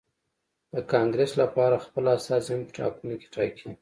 د کانګرېس لپاره خپل استازي هم په ټاکنو کې ټاکي.